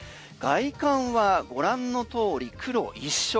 外観はご覧の通り黒一色。